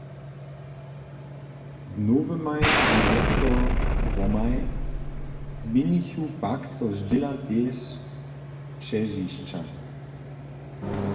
Z nowymaj direktoromaj změnichu pak so zdźěla tež ćežišća.